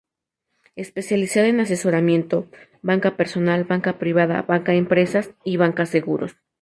Especializada en asesoramiento: Banca Personal, Banca Privada, Banca Empresas y Banca Seguros.